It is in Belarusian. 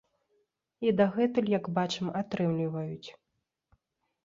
І дагэтуль, як бачым, атрымліваюць.